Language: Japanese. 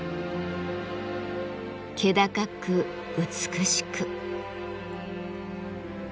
気高く美しく。